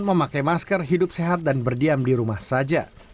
memakai masker hidup sehat dan berdiam di rumah saja